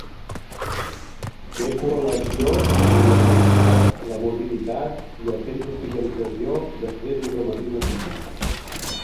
Té correlació amb la mortalitat, la morbiditat i el temps d'hospitalització després d'un traumatisme físic.